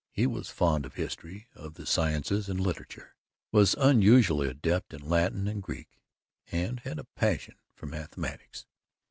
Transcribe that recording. He was fond of history, of the sciences and literature, was unusually adept in Latin and Greek, and had a passion for mathematics.